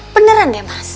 beneran ya mas